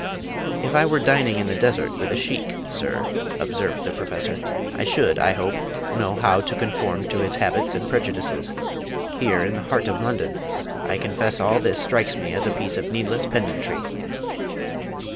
"If I were dining in the desert with a Sheik, sir," observed the Professor, "I should, I hope, know how to conform to his habits and prejudices. Here, in the heart of London, I confess all this strikes me as a piece of needless pedantry."